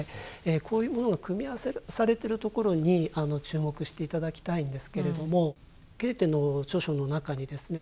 こういうものが組み合わされてるところに注目して頂きたいんですけれどもゲーテの著書の中にですね